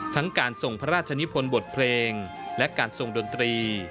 ทั้งการทรงพระราชนิพลบทเพลงและการทรงดนตรี